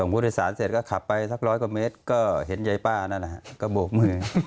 ผู้โดยสารเสร็จก็ขับไปสักร้อยกว่าเมตรก็เห็นยายป้านั่นแหละฮะก็โบกมือ